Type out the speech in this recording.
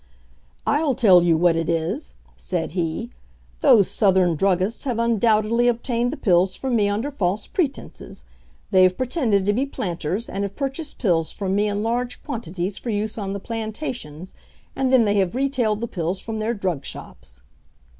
"I'll tell you what it is," said he, "those Southern druggists have undoubtedly obtained the pills from me under false pretences. They have pretended to be planters, and have purchased pills from me in large quantities for use on the plantations, and then they have retailed the pills from their drug shops."